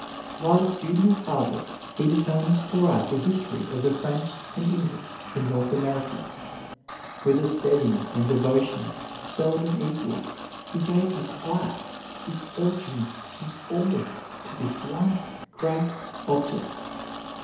While a student at Harvard he determined to write the history of the French and English in North America. With a steadiness and devotion seldom equaled he gave his life, his fortune, his all to this one great object.